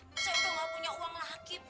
saya sudah enggak punya uang lagi bu